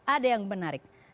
ada yang menarik